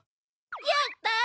やった！